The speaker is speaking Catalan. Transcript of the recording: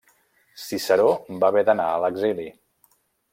Ciceró va haver d'anar a l'exili.